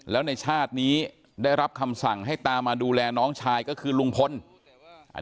แล้วในชาตินี้ได้รับคำสั่งให้ตามาดูแลน้องชายก็คือลุงพล